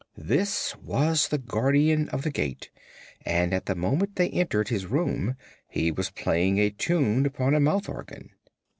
This was the Guardian of the Gate and at the moment they entered his room he was playing a tune upon a mouth organ.